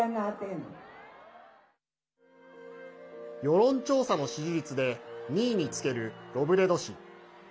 世論調査の支持率で２位につけるロブレド氏。